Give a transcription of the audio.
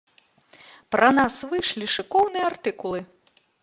Пра нас выйшлі шыкоўныя артыкулы.